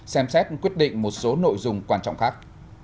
xem xét quyết định một số nội dung quan trọng khác